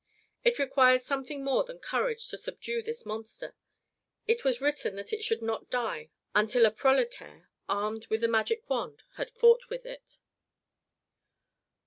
It requires something more than courage to subdue this monster. It was written that it should not die until a proletaire, armed with a magic wand, had fought with it.